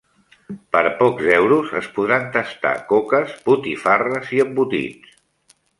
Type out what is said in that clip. Per pocs euros es podran tastar coques, botifarres i embotits.